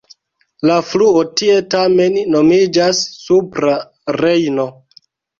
La fluo tie tamen nomiĝas Supra Rejno.